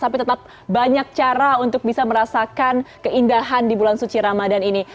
tapi tetap banyak cara untuk bisa merasakan keindahan di bulan suci ramadan ini